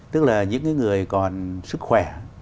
tức là những người còn sức khỏe